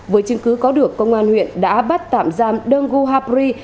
với chứng cứ có được công an huyện đã bắt tạm giam đơn gu hapri